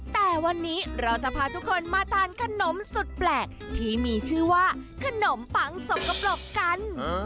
แต่วันนี้เราจะพาทุกคนมาทานขนมสุดแปลกที่มีชื่อว่าขนมปังสกปรกกัน